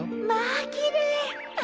まあきれい。